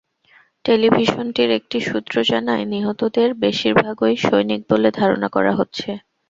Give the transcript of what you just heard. টেলিভিশনটির একটি সূত্র জানায়, নিহতদের বেশির ভাগই সৈনিক বলে ধারণা করা হচ্ছে।